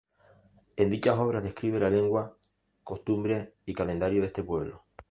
En dichas obras describe la lengua, costumbres y calendario de este pueblo.